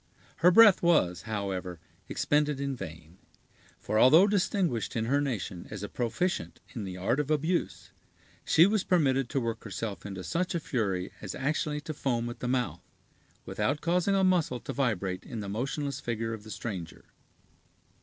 Her breath was, however, expended in vain; for, although distinguished in her nation as a proficient in the art of abuse, she was permitted to work herself into such a fury as actually to foam at the mouth, without causing a muscle to vibrate in the motionless figure of the stranger.